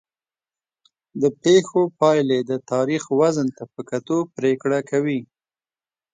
د پېښو پایلې د تاریخ وزن ته په کتو پرېکړه کوي.